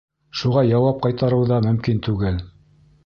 Шуға уға яуап ҡайтарыу ҙа мөмкин түгел.